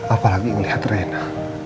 apalagi melihat rena